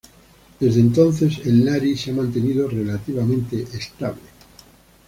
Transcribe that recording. Desde entonces, el lari se ha mantenido relativamente estable.